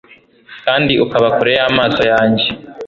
kandi ukaba kure y'amaso yanjye